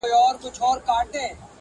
• سړي وویله ورک یمه حیران یم -